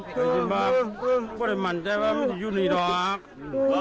เพื่อนบ้านก็ไม่ได้มั่นใจว่ามันจะอยู่ในนี้หรอครับ